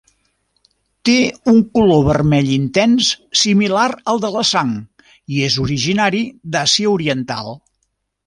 Té un color vermell intens, similar al de la sang i és originari d'Àsia oriental.